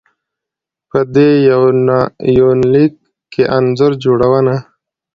په دې يونليک کې انځور جوړونه